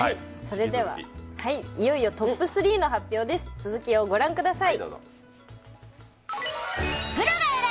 いよいよトップ３の発表です、続きを御覧ください。